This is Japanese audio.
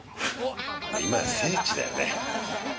今や聖地だよね。